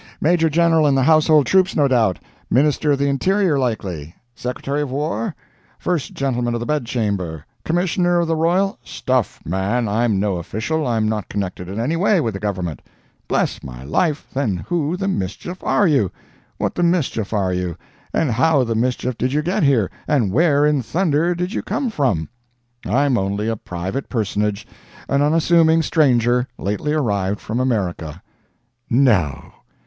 Major General in the household troops no doubt? Minister of the Interior, likely? Secretary of War? First Gentleman of the Bedchamber? Commissioner of the Royal—" "Stuff! man. I'm no official. I'm not connected in any way with the Government." "Bless my life! Then, who the mischief are you? What the mischief are you? and how the mischief did you get here, and where in thunder did you come from?" "I'm only a private personage—an unassuming stranger—lately arrived from America." "No?